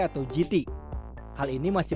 atau gt hal ini masih